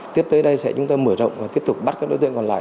tiếp tới đây sẽ chúng tôi mở rộng và tiếp tục bắt các đối tượng còn lại